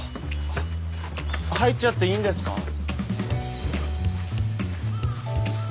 入っちゃっていいんですか？